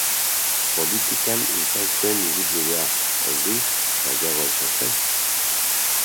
Politikan izan zuen ibilbidea, aldiz, zailagoa izan zen.